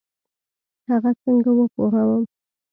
هغه څنګه وپوهوم؟